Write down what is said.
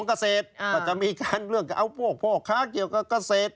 ก็จะมีการเรื่องกับพ่อค้าเกี่ยวกับเกษตร